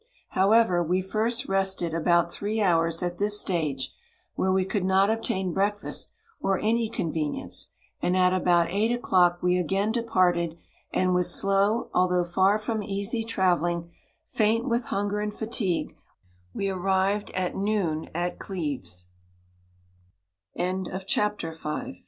However, we first rested about three hours at this stage, where we could not obtain breakfast or any convenience, and at about eight o'clock we again departed, and with slow, al though far from easy travelling, faint with hunger and fatigue, we arrived b